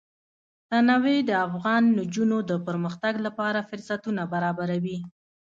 تنوع د افغان نجونو د پرمختګ لپاره فرصتونه برابروي.